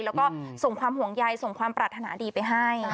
แล้วก็ส่งความห่วงใยส่งความปรารถนาดีไปให้